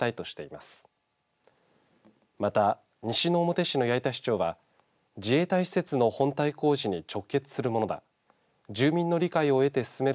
また、西之表市の八板市長は自衛隊施設の本体工事に直結するものだ。